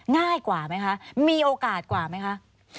ง่ายกว่าไหมคะมีโอกาสกว่าไหมคะ